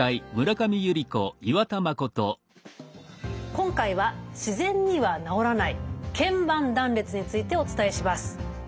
今回は自然には治らないけん板断裂についてお伝えします。